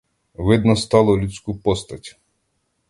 Видно стало людську постать.